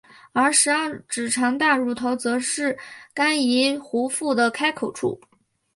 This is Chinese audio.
而十二指肠大乳头则是肝胰壶腹的开口处。